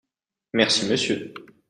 Merci monsieur.